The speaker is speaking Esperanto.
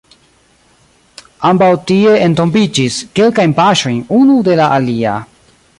Ambaŭ tie entombiĝis, kelkajn paŝojn unu de la alia.